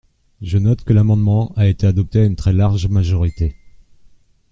Je note que l’amendement a été adopté à une très large majorité.